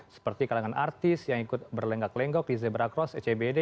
seperti kalangan artis yang ikut berlenggak lenggok di zebra cross acbd